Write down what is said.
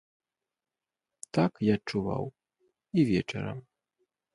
Так я адчуваў і вечарам.